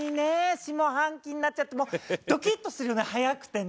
下半期になっちゃってもうドキッとするぐらい早くてね。